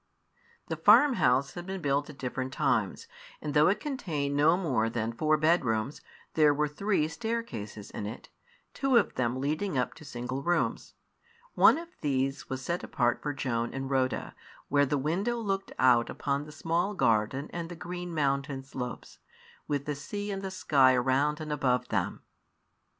The farm house had been built at different times, and though it contained no more than four bedrooms, there were three staircases in it, two of them leading up to single rooms. One of these was set apart for Joan and Rhoda, where the window looked out upon the small garden and the green mountain slopes, with the sea and the sky around and above them.